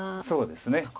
そうですね。